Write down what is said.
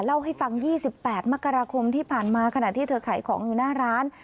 เล่าให้ฟัง๒๘มกราคมที่ผ่านมาขณะที่เธอขายของอยู่หน้าร้าน